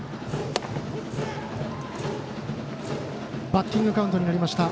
バッティングカウントになりました。